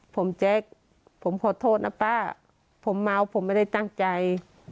ผมแจ๊คผมขอโทษนะป้าผมเมาผมไม่ได้ตั้งใจ